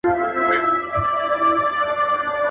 • بې عقل جمال خوښوي، عاقل کمال.